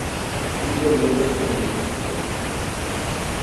Il periodo non è dei migliori.